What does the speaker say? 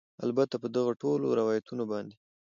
البته په دغه ټولو روایتونو باندې